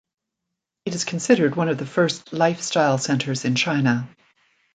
It is considered one of the first lifestyle centers in China.